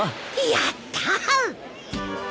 やったあ。